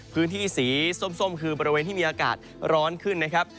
พื้นที่สีส้มคือบริเวณที่มีอากาศร้อนขึ้นนะครับ